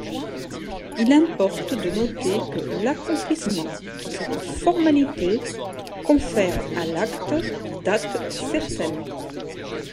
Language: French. Il importe de noter que l’accomplissement de cette formalité confère à l’acte date certaine.